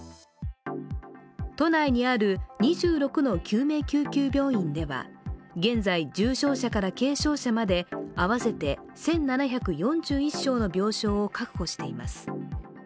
都内にある２６の救命救急病院では現在、重症者から軽症者まで合わせて１７４１床の病床を確保しています。